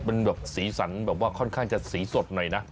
มันแบบสีสันแบบว่าค่อนข้างจะสีสดหน่อยนะ